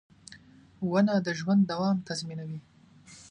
• ونه د ژوند دوام تضمینوي.